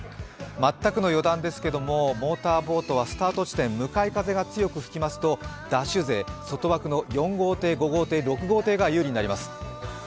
全くの余談ですけど、モーターボートはスタート地点、向かい風が強く吹きますとダッシュ勢外枠の４、５、６号艇が有利になります。